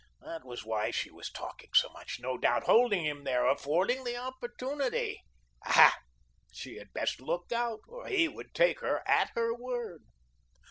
That was why she was talking so much, no doubt, holding him there, affording the opportunity. Aha! She had best look out, or he would take her at her word.